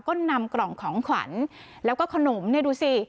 ก็นำกล่องของขวัญแล้วก็ขนมเนี่ยดูสิ